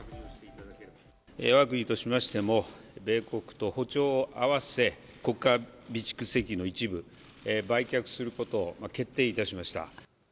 わが国としましても、米国と歩調を合わせ、国家備蓄石油の一部売却することを決定いたしました。